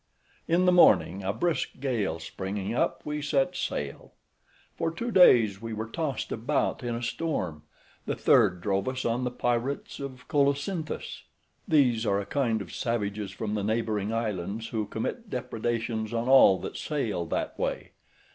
In the morning, a brisk gale springing up, we set sail. For two days we were tossed about in a storm; the third drove us on the pirates of Colocynthos. These are a kind of savages from the neighbouring islands, who commit depredations on all that sail that way.